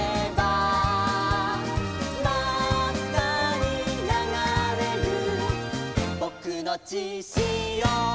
「まっかにながれるぼくのちしお」